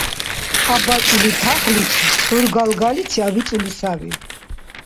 АбацӀили тахличи, гӀур галгаличи абицӀули саби.